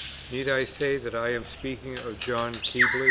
Need I say that I am speaking of John Keble?